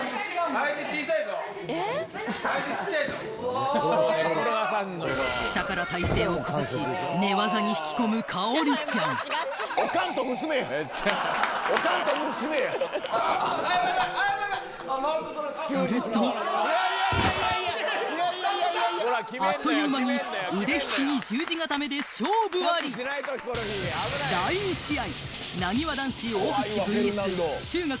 相手小さいぞ下から体勢を崩し寝技に引き込むカオリちゃんするとあっという間に腕ひしぎ十字固めで勝負ありでかいっすね始め！